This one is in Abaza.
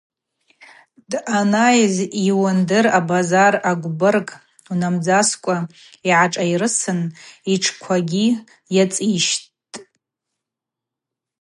Дъанайыз йуандыр абазар агвбырг унамдзаскӏва йгӏашӏайрысын йтшквагьи ацӏищттӏ.